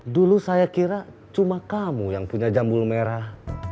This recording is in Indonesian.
dulu saya kira cuma kamu yang punya jambul merah